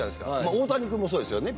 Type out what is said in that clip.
大谷君もそうですよね。